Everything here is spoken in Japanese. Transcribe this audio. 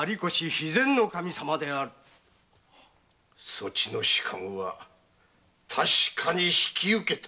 そちの仕官は確かに引き受けた。